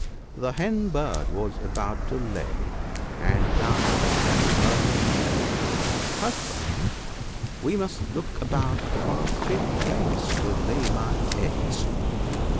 The Hen bird was about to lay, and thus addressed her mate :—" Husband, we must look about for a fit place to lay my eggs."